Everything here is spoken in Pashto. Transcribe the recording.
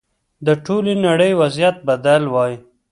د ټولې نړۍ وضعیت بدل وای.